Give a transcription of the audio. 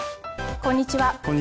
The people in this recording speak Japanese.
こんにちは。